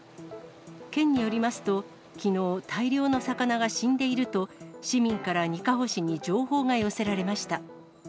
県によりますと、きのう、大量の魚が死んでいると、市民からにかほ市に情報が寄せられました。